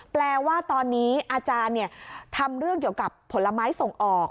แปลว่าตอนนี้อาจารย์ทำเรื่องเกี่ยวกับผลไม้ส่งออก